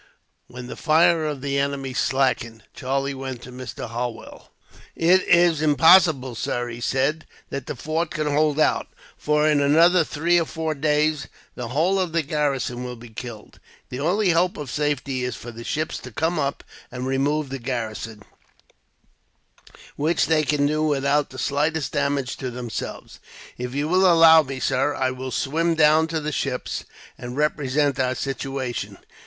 When the fire of the enemy slackened, Charlie went to Mr. Holwell. "It is impossible, sir," he said, "that the fort can hold out; for in another three or four days, the whole of the garrison will be killed. The only hope of safety is for the ships to come up, and remove the garrison, which they can do without the slightest danger to themselves. If you will allow me, sir, I will swim down to the ships, and represent our situation.